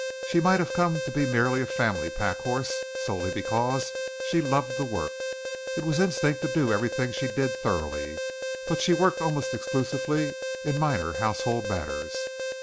She might have come to be merely a family pack horse, solely because she loved to work. It was instinct to do everything she did thoroughly, but she worked almost exclusively in minor household matters.